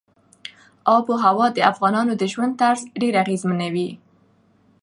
آب وهوا د افغانانو د ژوند طرز ډېر اغېزمنوي.